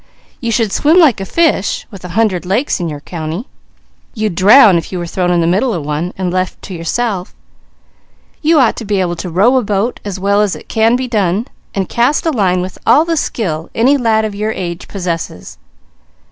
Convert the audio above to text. You should swim like a fish, with a hundred lakes in your country; you'd drown if you were thrown in the middle of one and left to yourself. You ought to be able to row a boat as well as it can be done, and cast a line with all the skill any lad of your age possesses.